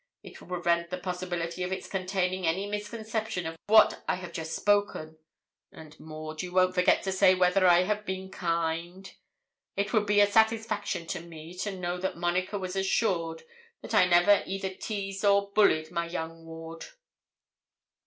It will prevent the possibility of its containing any misconception of what I have just spoken: and, Maud, you won't forget to say whether I have been kind. It would be a satisfaction to me to know that Monica was assured that I never either teased or bullied my young ward.'